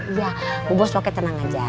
iya bu bos pakai tenang aja